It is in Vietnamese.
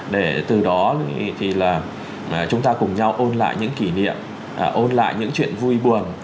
để từ đó thì là chúng ta cùng nhau ôn lại những kỷ niệm ôn lại những chuyện vui buồn